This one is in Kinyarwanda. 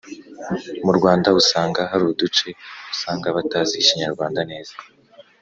Murwanda usanga haruduce usanga batazi ikinyarwanda neza